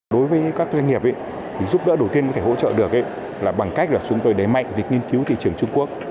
đối với các doanh nghiệp giúp đỡ đầu tiên có thể hỗ trợ được bằng cách chúng tôi đẩy mạnh việc nghiên cứu thị trường trung quốc